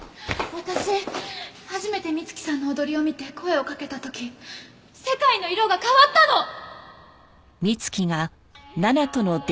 私初めて美月さんの踊りを見て声を掛けた時世界の色が変わったの！